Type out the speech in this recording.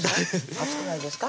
熱くないですか？